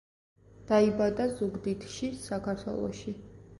დაიბადა ზუგდიდში, საქართველოში.